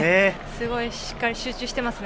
すごくしっかり集中しています。